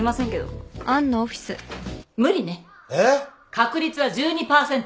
確率は１２％。